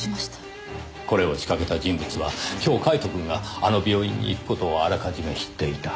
これを仕掛けた人物は今日カイトくんがあの病院に行く事をあらかじめ知っていた。